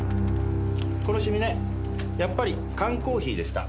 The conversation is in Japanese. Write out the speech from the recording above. この染みねやっぱり缶コーヒーでした。